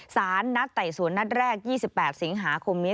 สารนัดไต่สวนนัดแรก๒๘สิงหาคมนี้